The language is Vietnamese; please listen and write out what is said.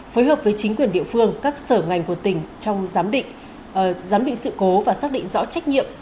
phối hợp với chính quyền địa phương các sở ngành của tỉnh trong giám định sự cố và xác định rõ trách nhiệm